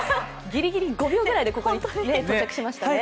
ギリギリ５秒前くらいでここに来られましたね。